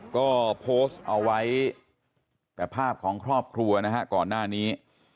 ก็โพสต์เอาไว้แต่ภาพของครอบครัวนะฮะก่อนหน้านี้